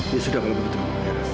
ya sudah mau berbicara